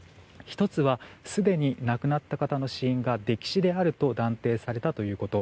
１つは、すでに亡くなった方の死因が溺死であるということが断定されたということ。